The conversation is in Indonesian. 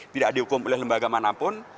tidak dihukum oleh lembaga manapun